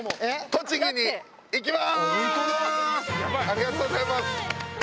ありがとうございます。